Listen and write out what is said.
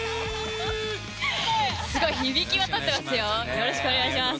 よろしくお願いします。